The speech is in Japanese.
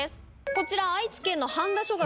こちら愛知県の半田署が。